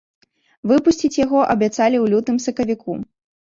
Выпусціць яго абяцалі ў лютым-сакавіку.